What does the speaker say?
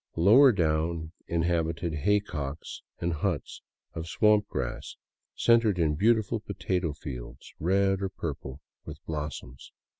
Lower down, inhabited haycocks and huts of swamp grass centered in beautiful potato fields, red or purple with blossoms.